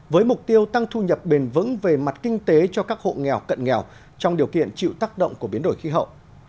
với mục tiêu tăng thu nhập bền vững về mặt kinh tế cho các hộ nghèo cận nghèo trong điều kiện chịu tác động của biến đổi khí hậu